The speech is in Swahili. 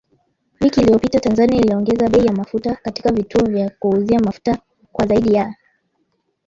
Wiki iliyopita Tanzania iliongeza bei ya mafuta katika vituo vya kuuzia mafuta kwa zaidi ya